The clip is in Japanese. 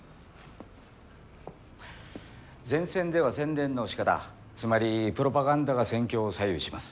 前線では宣伝のしかたつまりプロパガンダが戦況を左右します。